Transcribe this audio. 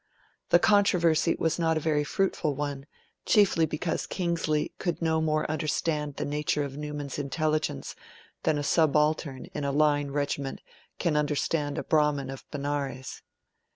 The controversy was not a very fruitful one, chiefly because Kingsley could no more understand the nature of Newman's intelligence than a subaltern in a line regiment can understand a Brahmin of Benares.